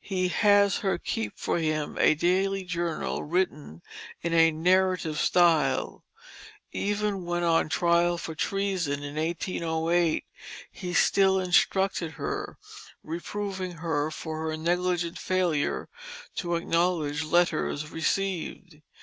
He has her keep for him a daily journal written in a narrative style. Even when on trial for treason in 1808 he still instructed her, reproving her for her negligent failure to acknowledge letters received.